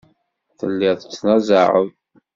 Telliḍ tettnazaɛeḍ.